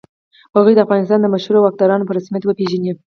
هغوی دې د افغانستان مشروع واکداران په رسمیت وپېژني.